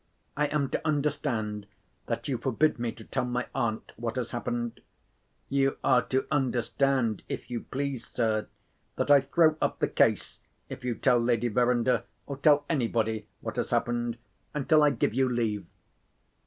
"I am to understand that you forbid me to tell my aunt what has happened?" "You are to understand, if you please, sir, that I throw up the case, if you tell Lady Verinder, or tell anybody, what has happened, until I give you leave."